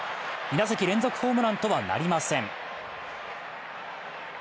２打席連続ホームランとはなりません。